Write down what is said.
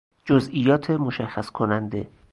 جزئیات مشخص کننده